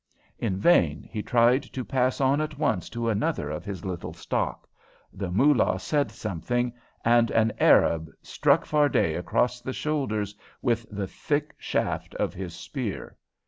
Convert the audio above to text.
In vain he tried to pass on at once to another of his little stock. The Moolah said something, and an Arab struck Fardet across the shoulders with the thick shaft of his spear.